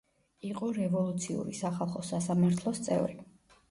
იყო რევოლუციური სახალხო სასამართლოს წევრი.